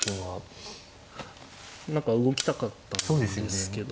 何か動きたかったんですけど。